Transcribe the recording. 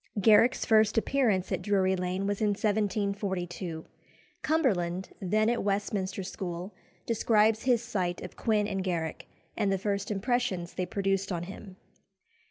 Garrick's first appearance at Drury Lane was in 1742. Cumberland, then at Westminster School, describes his sight of Quin and Garrick, and the first impressions they produced on him.